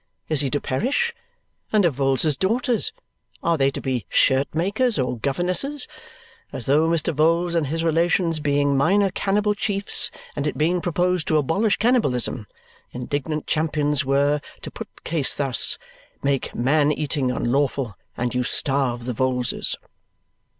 Is he to perish? And of Vholes's daughters? Are they to be shirt makers, or governesses? As though, Mr. Vholes and his relations being minor cannibal chiefs and it being proposed to abolish cannibalism, indignant champions were to put the case thus: Make man eating unlawful, and you starve the Vholeses!